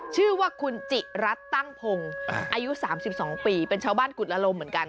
ชื่อว่าคุณจิรัตน์ตั้งพงศ์อายุ๓๒ปีเป็นชาวบ้านกุฎละลมเหมือนกัน